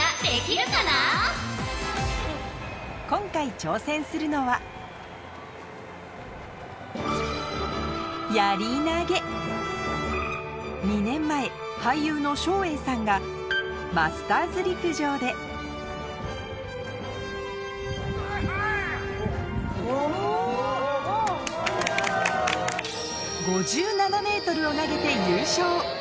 今回挑戦するのは２年前俳優の照英さんがマスターズ陸上で５７ｍを投げて優勝